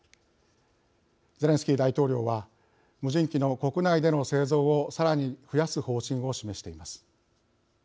ゼレンスキー大統領は無人機の国内での製造をさらに増やす方針を示しています。